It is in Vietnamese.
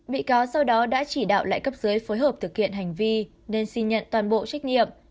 bị cáo sau đó đã chỉ đạo lại cấp dưới phối hợp thực hiện hành vi nên xin nhận toàn bộ trách nhiệm